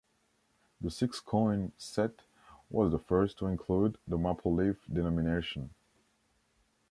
The six-coin set was the first to include the Maple Leaf denomination.